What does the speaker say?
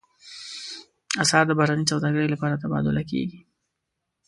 اسعار د بهرنۍ سوداګرۍ لپاره تبادله کېږي.